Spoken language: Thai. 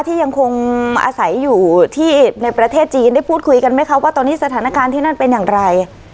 ที่ยังคงอาศัยอยู่ที่ในประเทศจีนได้พูดคุยกันไหมคะว่าตอนนี้สถานการณ์ที่นั่นเป็นอย่างไร